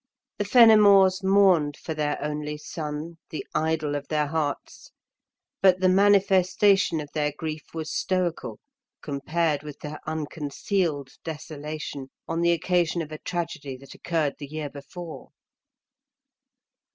The Fenimores mourned for their only son, the idol of their hearts; but the manifestation of their grief was stoical compared with their unconcealed desolation on the occasion of a tragedy that occurred the year before.